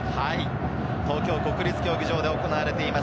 東京・国立競技場で行われています。